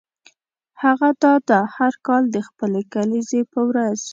هغه دا ده هر کال د خپلې کلیزې په ورځ.